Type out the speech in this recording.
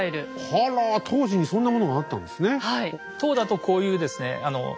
あら当時にそんなものがあったんですね。